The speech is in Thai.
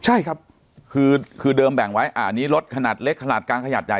ใช่ครับคือเดิมแบ่งไว้อันนี้รถขนาดเล็กขนาดกลางขนาดใหญ่